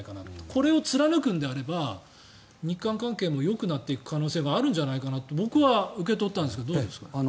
これを貫くのであれば日韓関係もよくなっていく可能性があるんじゃないかと僕は受け取ったんですけどどうですか？